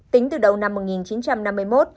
tính từ đầu năm một nghìn chín trăm năm mươi một